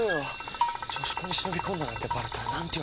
女子校に忍び込んだなんてバレたら何て言われるか。